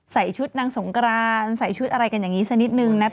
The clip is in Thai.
ใส่ชุดนางสงกรานใส่ชุดอะไรกันอย่างนี้สักนิดนึงนะคะ